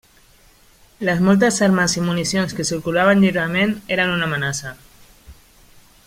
Les moltes armes i municions que circulaven lliurement eren una amenaça.